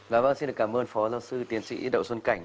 dạ vâng xin được cảm ơn phó giáo sư tiến sĩ đậu xuân cảnh